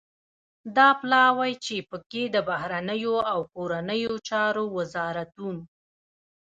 دا پلاوی چې پکې د بهرنیو او کورنیو چارو وزارتون